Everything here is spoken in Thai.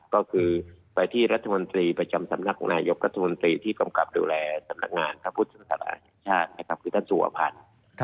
ก็คือไปที่รัฐมนตรีประจำสำนักของนายกรัฐมนตรีที่กำกับดูแลสำนักงานพระพุทธศาสนาแห่งชาตินะครับคือท่านสุภัณฑ์